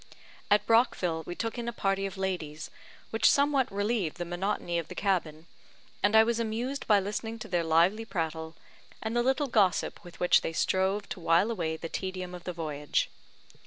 At Brockville we took in a party of ladies, which somewhat relieved the monotony of the cabin, and I was amused by listening to their lively prattle, and the little gossip with which they strove to wile away the tedium of the voyage.